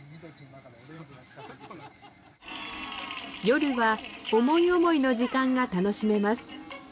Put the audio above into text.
夜は思い思いの時間が楽しめます。